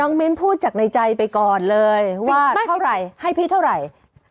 เออนกมือวิวผู้จะในใจไปก่อนเลยว่าเท่าไหร่ให้พี่เท่าไหร่